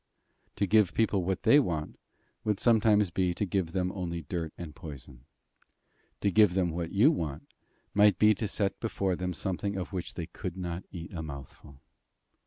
To give people what they want, would sometimes be to give them only dirt and poison. To give them what you want, might be to set before them something of which they could not eat a mouthful.